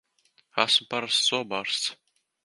Esmu parasts zobārsts!